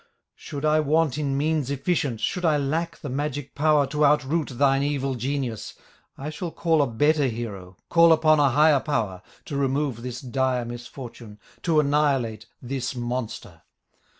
"Should I want in means efficient, Should I lack the magic power To outroot thine evil genius, I shall call a better hero, Call upon a higher power, To remove this dire misfortune, To annihilate this monster.